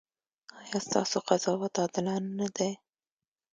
ایا ستاسو قضاوت عادلانه نه دی؟